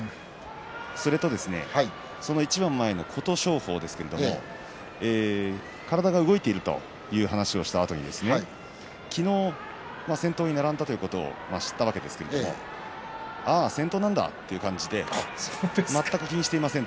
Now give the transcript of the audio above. それとその一番前の琴勝峰ですけれども体が動いているという話をしたあと昨日、先頭に並んだということを知ったわけですがああ、先頭なんだという感じで全く気にしていません。